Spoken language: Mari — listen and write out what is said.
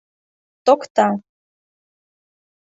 — Токта!